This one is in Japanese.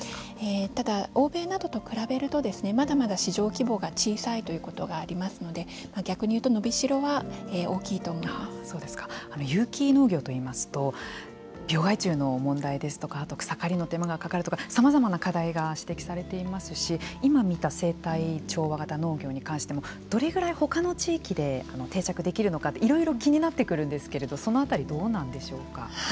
ただ、欧米などと比べるとまだまだ市場規模が小さいということがありますので逆に言うと有機農業といいますと病害虫の問題ですとかあと草刈りの手間がかかるとかさまざまな手間が指摘されていますし今見た生態調和型農業に関してもどれくらい他の地域で定着できるのかいろいろ気になってくるんですがそのあたりはどうでしょうか。